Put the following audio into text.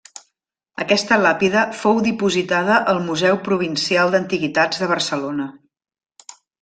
Aquesta làpida fou dipositada al Museu Provincial d'Antiguitats de Barcelona.